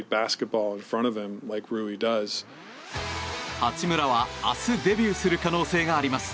八村は明日デビューする可能性があります。